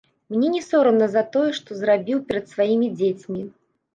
Мне не сорамна за тое, што зрабіў перад сваімі дзецьмі.